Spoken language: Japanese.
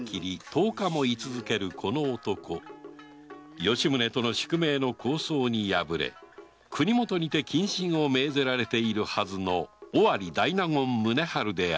この男吉宗との宿命の抗争に敗れ国許にて謹慎を命ぜられているはずの尾張大納言宗春である